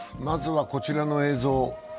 まずはこちらの映像。